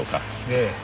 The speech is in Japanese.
ええ。